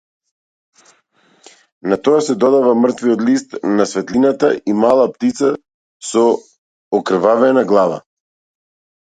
На тоа се додава мртвиот лист на светлината и мала птица со окрвавена глава.